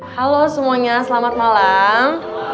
halo semuanya selamat malam